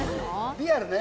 リアルね。